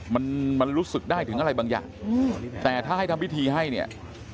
มันมันรู้สึกได้ถึงอะไรบางอย่างแต่ถ้าให้ทำพิธีให้เนี่ย